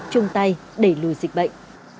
chung tay đẩy lùi dịch bệnh